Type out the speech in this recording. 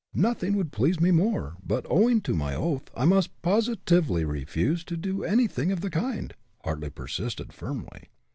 "Nothing would please me more, but owing to my oath, I must positively refuse to do anything of the kind," Hartly persisted, firmly.